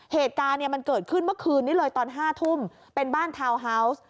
เหตุการณ์เนี่ยมันเกิดขึ้นเมื่อคืนนี้เลยตอน๕ทุ่มเป็นบ้านทาวน์ฮาวส์